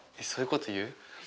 そういうこと言う？